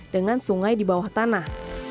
dengan sungai di bawah tanah